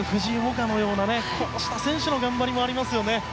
夏のようなこうした選手の頑張りもありますよね。